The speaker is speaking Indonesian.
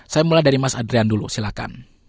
saya mulai dari mas adrian dulu silahkan